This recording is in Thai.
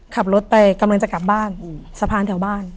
ขับรถไปกำลังจะกลับบ้านสะพานแถวบ้าน